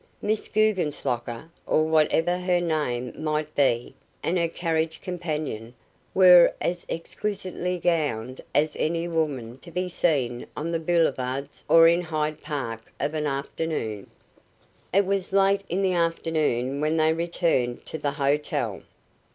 Miss Guggenslocker or whatever her name might be and her carriage companion were as exquisitely gowned as any women to be seen on the boulevards or in Hyde Park of an afternoon. It was late in the afternoon when they returned to the hotel.